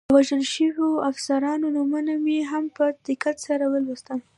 د وژل شویو افسرانو نومونه مې هم په دقت سره ولوستل.